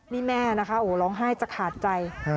นี่แม่นะคะโอ้ร้องไห้จะขาดใจ